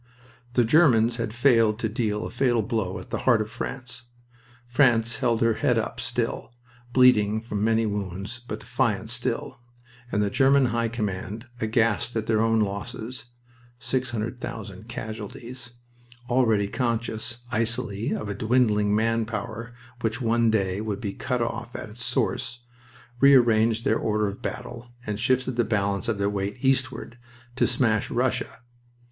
The Germans had failed to deal a fatal blow at the heart of France. France held her head up still, bleeding from many wounds, but defiant still; and the German High Command, aghast at their own losses six hundred thousand casualties already conscious, icily, of a dwindling man power which one day would be cut off at its source, rearranged their order of battle and shifted the balance of their weight eastward, to smash Russia.